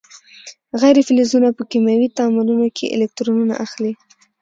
غیر فلزونه په کیمیاوي تعاملونو کې الکترونونه اخلي.